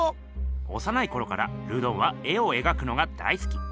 おさないころからルドンは絵を描くのが大好き。